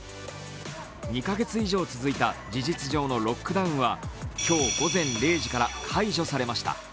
２カ月以上続いた事実上のロックダウンは今日午前０時から解除されました。